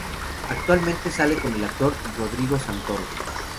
Actualmente sale con el actor Rodrigo Santoro.